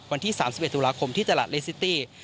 วันที่๓๑ตุลาคมที่ตลาดเลซิตี้